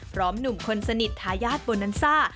หนุ่มคนสนิททายาทโบนันซ่า